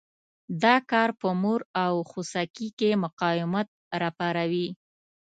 دا کار په مور او خوسکي کې مقاومت را پاروي.